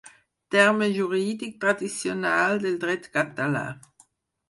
Terme jurídic tradicional del dret català.